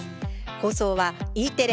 放送は、Ｅテレ